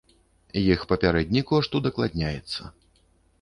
Іх папярэдні кошт удакладняецца.